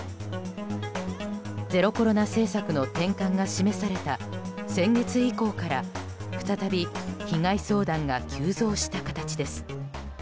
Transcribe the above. ゼロコロナ政策の転換が示された先月以降から再び、被害相談が急増した形です。